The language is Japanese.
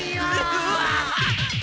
うわ！